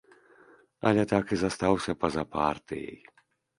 Але так і застаўся па-за партыяй.